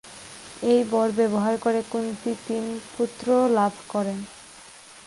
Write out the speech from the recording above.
এই বর ব্যবহার করে কুন্তী তিন পুত্র লাভ করেন।